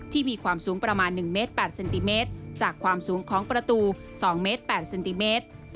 มีความสูงประมาณ๑เมตร๘เซนติเมตรจากความสูงของประตู๒เมตร๘เซนติเมตร